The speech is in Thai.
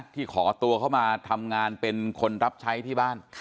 ขอตัวเข้ามาทำงานเป็นคนรับใช้ที่บ้าน